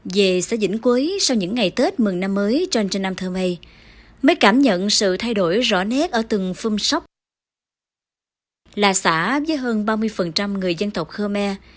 về xã dĩnh quế sau những ngày tết mừng năm mới cho anh trang nam thơ mây mới cảm nhận sự thay đổi rõ nét ở từng phương sóc là xã với hơn ba mươi người dân tộc khơ me